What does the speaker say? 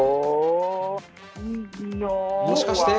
もしかして？